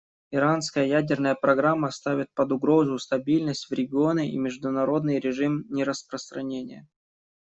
Иранская ядерная программа ставит под угрозу стабильность в регионе и международный режим нераспространения.